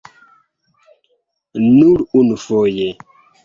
Nur unufoje.